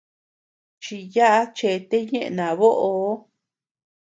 Chiyaʼa chete ñeʼë naboʼo.